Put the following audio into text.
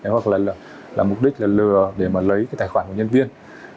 hoặc là mục đích lừa để lấy tài khoản của nhân viên